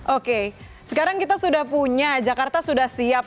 oke sekarang kita sudah punya jakarta sudah siap